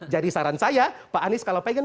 jadi saran saya pak anies kalau mau maju ke luar